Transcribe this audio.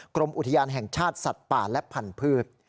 กรมอุทยานแห่งชาติสัตว์ป่าและพันธุ์